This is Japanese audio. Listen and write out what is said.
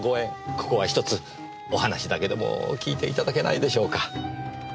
ここはひとつお話だけでも聞いていただけないでしょうか？